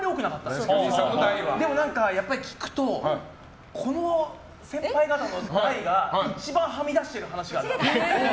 だけど、聞くとこの先輩方の代が一番はみ出している話がある。